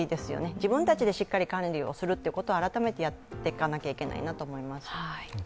自分たちでしっかり管理するということを改めてやっていかなければなと思います。